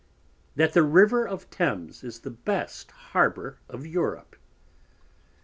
_ that the River of Thames is the best Harbour of Europe.